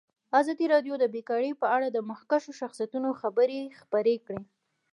ازادي راډیو د بیکاري په اړه د مخکښو شخصیتونو خبرې خپرې کړي.